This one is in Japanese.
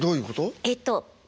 えっと